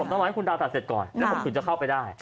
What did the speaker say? ก็อยากให้คุณดาวตัดเสร็จก่อนนะครับคุณจะเข้าไปได้